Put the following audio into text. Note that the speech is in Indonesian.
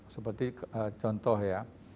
seperti contoh ya